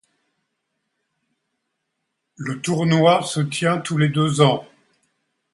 Le tournoi se tient tous les deux ans.